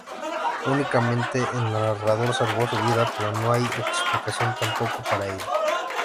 Únicamente el narrador salvó su vida, pero no hay explicación tampoco para ello.